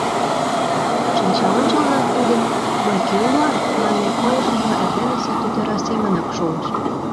Шинча ончылнак тудын «Мый кӧ улам?» манме койышыжо эрденысе тӱтыра семынак шулыш.